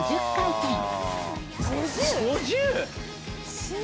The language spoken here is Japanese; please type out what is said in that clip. ５０回転